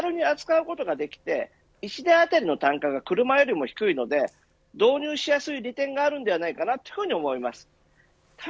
手軽に扱うことができて１台当たりの単価が車よりも低いので導入しやすい利点があるんではないかなというふうに思います。